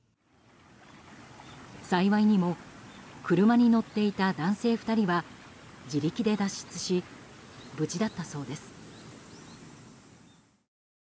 幸いにも車に乗っていた男性２人は自力で脱出し無事だったそうです。